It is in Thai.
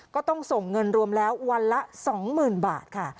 ก็ต้องส่งเงินรวมแล้ววันละ๒๐๐๐บาทค่ะ